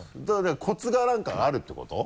コツが何かあるってこと？